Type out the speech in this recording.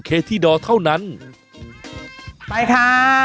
เอ้ามาค่ะ